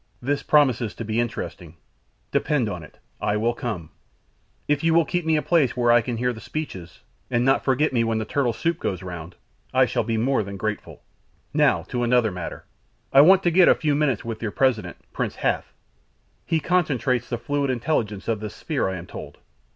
This promises to be interesting; depend on it I will come; if you will keep me a place where I can hear the speeches, and not forget me when the turtle soup goes round, I shall be more than grateful. Now to another matter. I want to get a few minutes with your President, Prince Hath. He concentrates the fluid intelligence of this sphere, I am told.